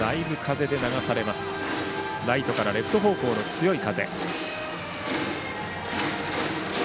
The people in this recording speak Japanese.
ライトからレフト方向の強い風。